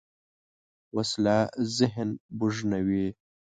وسله ذهن بوږنوې